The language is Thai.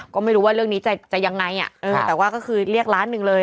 ก็ไม่รู้ว่าเรื่องนี้จะยังไงแต่ว่าก็คือเรียกล้านหนึ่งเลย